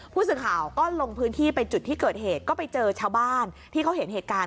ผู้สื่อข่าวก็ลงพื้นที่ไปจุดที่เกิดเหตุก็ไปเจอชาวบ้านที่เขาเห็นเหตุการณ์